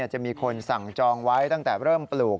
จะมีคนสั่งจองไว้ตั้งแต่เริ่มปลูก